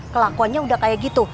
kelakuannya udah kayak gitu